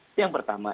itu yang pertama